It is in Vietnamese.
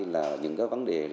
là những cái vấn đề